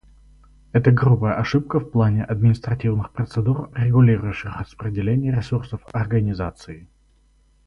Это грубая ошибка в плане административных процедур, регулирующих распределение ресурсов Организации.